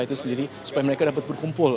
itu sendiri supaya mereka dapat berkumpul